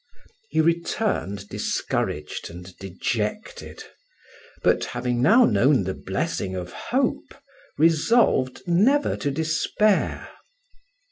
He returned discouraged and dejected; but having now known the blessing of hope, resolved never to despair.